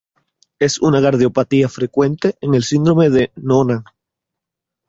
Es una cardiopatía frecuente en el Síndrome de Noonan.